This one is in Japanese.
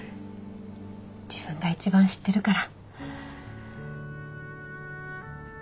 自分が一番知ってるから。